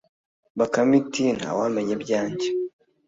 Bakame iti “Ntiwamenya ibyanjye